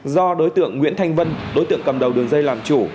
do đối tượng nguyễn thanh vân đối tượng cầm đầu đường dây làm chủ